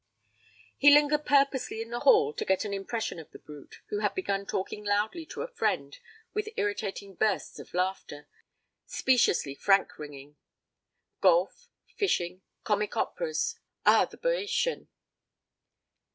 He lingered purposely in the hall to get an impression of the brute, who had begun talking loudly to a friend with irritating bursts of laughter, speciously frank ringing. Golf, fishing, comic operas ah, the Boeotian!